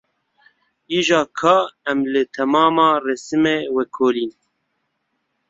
Îja ka em li temama resimê vekolin.